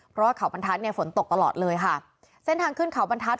เพราะว่าเขาบรรทัศน์เนี่ยฝนตกตลอดเลยค่ะเส้นทางขึ้นเขาบรรทัศน